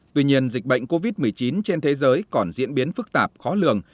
tuy nhiên dịch bệnh covid một mươi chín trên thế giới còn diễn biến phức tạp khó lường